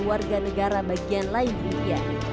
warga negara bagian lain india